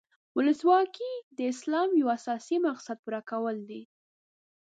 ولسواکي د اسلام د یو اساسي مقصد پوره کول دي.